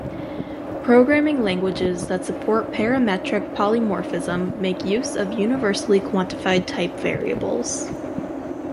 Programming languages that support parametric polymorphism make use of universally quantified type variables.